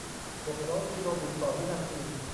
หกร้อยกิโลบิตต่อวินาที